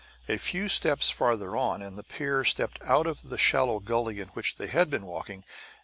A few steps farther on, and the pair stepped out of the shallow gully in which they had been walking.